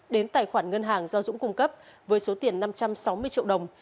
đến tài khoản ngân hàng do dũng cung cấp với số tiền năm trăm sáu mươi triệu đồng